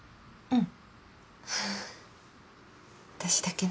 うん。